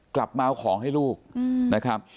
กลับมาเอาของให้ลูกนะครับ